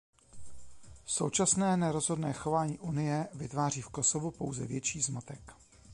Současné nerozhodné chování Unie vytváří v Kosovu pouze větší zmatek.